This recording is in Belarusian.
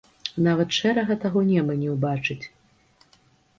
Нават шэрага таго неба не ўбачыць.